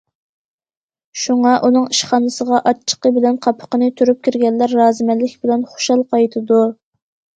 شۇڭا، ئۇنىڭ ئىشخانىسىغا ئاچچىقى بىلەن قاپىقىنى تۈرۈپ كىرگەنلەر رازىمەنلىك بىلەن خۇشال قايتىدۇ.